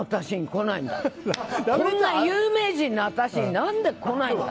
こんな有名人の私に何で来ないんだ！